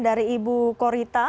dari ibu korita